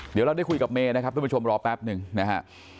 เดี๋ยวเราได้คุยกับเมย์นะครับทุกผู้ชมรอแป๊บหนึ่งนะฮะ